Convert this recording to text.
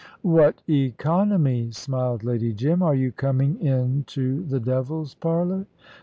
"What economy!" smiled Lady Jim. "Are you coming into the 'devil's parlour'?"